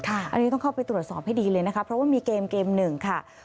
อันนี้ต้องเข้าไปตรวจสอบให้ดีเลยนะคะเพราะว่ามีเกมเกมหนึ่งค่ะ